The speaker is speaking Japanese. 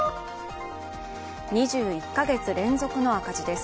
２１か月連続の赤字です。